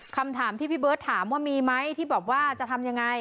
คำถามที่พี่เบิร์ตถามว่ามีไหมที่บอกว่าจะทำยังไง